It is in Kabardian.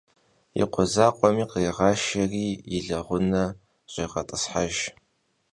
И къуэ закъуэми кърегъашэри и лэгъунэ щӀегъэтӀысхьэж.